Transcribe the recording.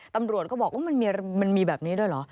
ตำรวจก็บอกว่ามันมีแบบนี้ด้วยเหรอ